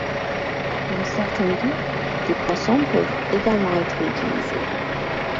Dans certains cas, des poissons peuvent également être utilisés.